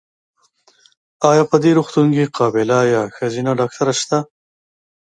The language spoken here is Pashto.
ایا په دي روغتون کې قابیله یا ښځېنه ډاکټره سته؟